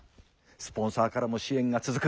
スポンサーからも支援が続く。